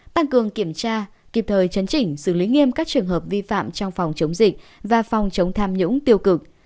tăng cường kiểm tra kịp thời chấn chỉnh xử lý nghiêm các trường hợp vi phạm trong phòng chống dịch và phòng chống tham nhũng tiêu cực